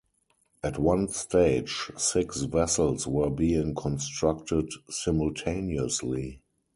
At one stage, six vessels were being constructed simultaneously.